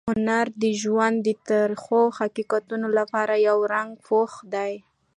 هنر د ژوند د تریخو حقیقتونو لپاره یو رنګین پوښ دی.